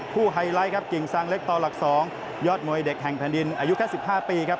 ไฮไลท์ครับกิ่งซางเล็กต่อหลัก๒ยอดมวยเด็กแห่งแผ่นดินอายุแค่๑๕ปีครับ